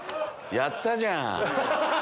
やったじゃん。